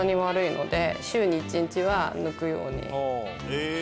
へえ！